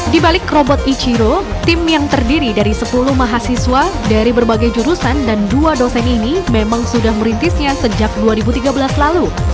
di balik robot ichiro tim yang terdiri dari sepuluh mahasiswa dari berbagai jurusan dan dua dosen ini memang sudah merintisnya sejak dua ribu tiga belas lalu